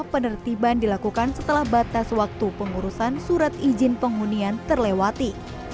penertiban dilakukan setelah batas waktu pengurusan surat izin penghunian terlewati